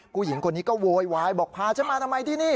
ผู้หญิงคนนี้ก็โวยวายบอกพาฉันมาทำไมที่นี่